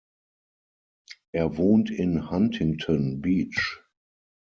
Er wohnt in Huntington Beach.